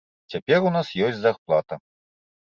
Цяпер у нас ёсць зарплата.